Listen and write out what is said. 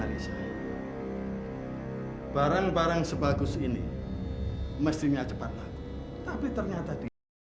analisai barang barang sebagus ini mestinya cepat tapi ternyata di